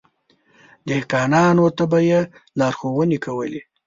دهقانانو ته به يې لارښونې کولې.